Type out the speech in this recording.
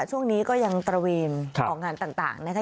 ช่วงนี้ก็ยังตระเวนออกงานต่างนะคะ